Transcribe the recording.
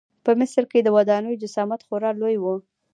په مصر کې د ودانیو جسامت خورا لوی و.